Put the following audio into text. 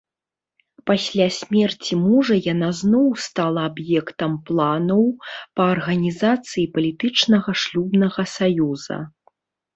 Пасля смерці мужа яна зноў стала аб'ектам планаў па арганізацыі палітычнага шлюбнага саюза.